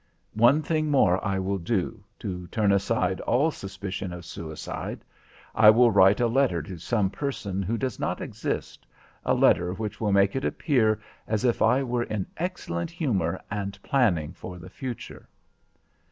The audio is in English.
One thing more I will do, to turn aside all suspicion of suicide. I will write a letter to some person who does not exist, a letter which will make it appear as if I were in excellent humour and planning for the future.